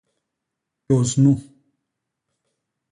Tôs nu.